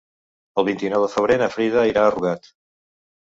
El vint-i-nou de febrer na Frida irà a Rugat.